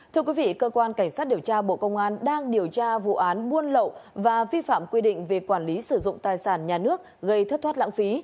thưa quý vị cơ quan cảnh sát điều tra bộ công an đang điều tra vụ án buôn lậu và vi phạm quy định về quản lý sử dụng tài sản nhà nước gây thất thoát lãng phí